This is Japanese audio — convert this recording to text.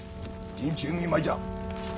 陣中見舞いじゃ。